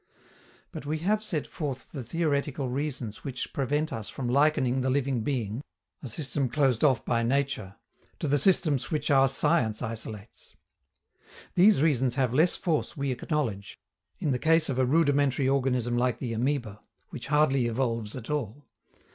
But we have set forth the theoretical reasons which prevent us from likening the living being, a system closed off by nature, to the systems which our science isolates. These reasons have less force, we acknowledge, in the case of a rudimentary organism like the amoeba, which hardly evolves at all.